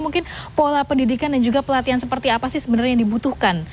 mungkin pola pendidikan dan juga pelatihan seperti apa sih sebenarnya yang dibutuhkan